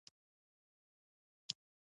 موږ هم عجبه خلک يو.